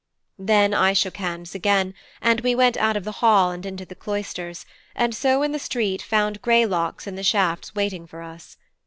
Then I shook hands again, and we went out of the hall and into the cloisters, and so in the street found Greylocks in the shafts waiting for us.